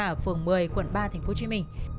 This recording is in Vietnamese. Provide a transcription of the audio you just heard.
ở phường một mươi quận ba tp hcm